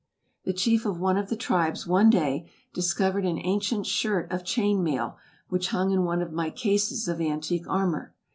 The chief of one of the tribes one day discovered an ancient shirt of chain mail which hung in one of my cases of antique armor.